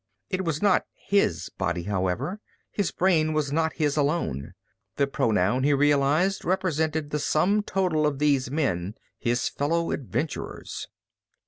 It was not his body, however. His brain was not his alone. The pronoun, he realized, represented the sum total of those other men, his fellow adventurers.